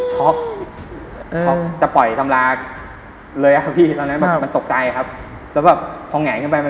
เพราะจะปล่อยสำราเลยครับพี่ตอนนั้นมันตกใจครับ